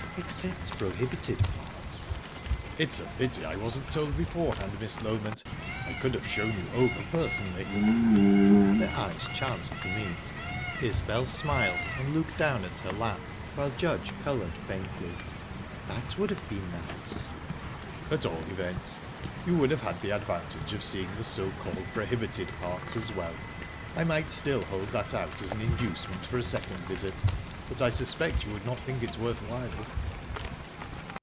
"Except prohibited parts." "It's a pity I wasn't told beforehand, Miss Loment. I could have shown you over personally." Their eyes chanced to meet. Isbel smiled, and looked down at her lap, while Judge coloured faintly. "That would have been nice." "At all events, you would have had the advantage of seeing the so called 'prohibited parts' as well. I might still hold that out as an inducement for a second visit, but I suspect you would think it not worth while?"